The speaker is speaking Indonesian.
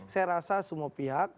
saya rasa semua pihak